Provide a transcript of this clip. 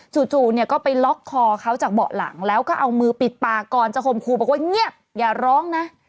จู่เนี่ยก็ไปล็อกคอเขาจากเบาะหลังแล้วก็เอามือปิดปากก่อนจะคมครูบอกว่าเงียบอย่าร้องนะ